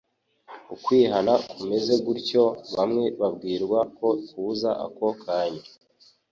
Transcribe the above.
Ukwihana kumeze gutyo, bamwe bibwira ko kuza ako kanya,